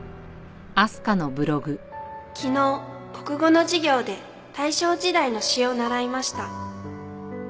昨日国語の授業で大正時代の詩を習いました。